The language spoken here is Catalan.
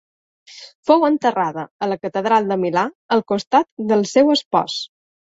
Fou enterrada a la Catedral de Milà al costat del seu espòs.